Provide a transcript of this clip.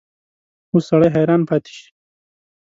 اوس سړی حیران پاتې شي.